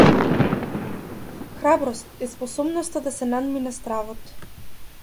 Храброст е способноста да се надмине стравот.